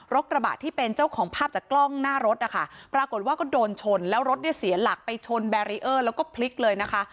กระบะที่เป็นเจ้าของภาพจากกล้องหน้ารถนะคะปรากฏว่าก็โดนชนแล้วรถเนี่ยเสียหลักไปชนแบรีเออร์แล้วก็พลิกเลยนะคะ